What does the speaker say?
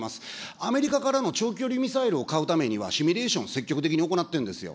アメリカからの長距離ミサイルを買うためには、シミュレーション積極的に行っているんですよ。